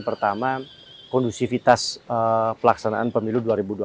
pertama kondusivitas pelaksanaan pemilu dua ribu dua puluh